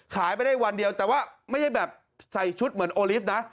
ขายไปได้วันเดียวแต่ว่าไม่ใช่แบบใส่ชุดเหมือนโอลิฟต์นะ